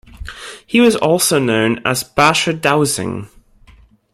He was also known as "Basher Dowsing".